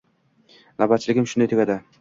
Navbatchiligim shunday tugadi